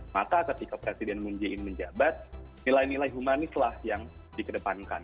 maka ketika presiden moon jae in menjabat nilai nilai humanislah yang dikedepankan